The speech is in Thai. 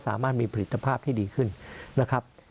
สามารถมีผลิตภาพที่ดีขึ้นนะครับ